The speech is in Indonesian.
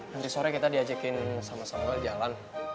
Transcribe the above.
nanti sore kita diajakin sama sama jalan